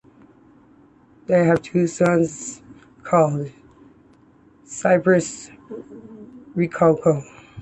They have a son called Cypress Rokocoko.